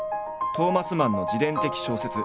トオマス・マンの自伝的小説